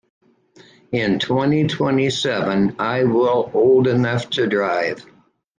In twenty-twenty-seven I will old enough to drive.